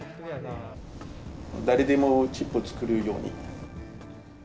誰でもチップを作れるように。